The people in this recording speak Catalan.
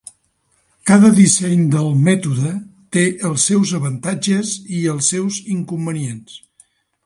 Cada disseny del mètode té els seus avantatges i els seus inconvenients.